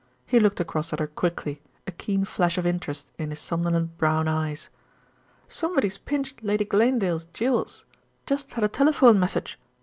He looked across at her quickly, a keen flash of interest in his somnolent brown eyes. "Somebody's pinched Lady Glanedale's jewels. Just had a telephone message.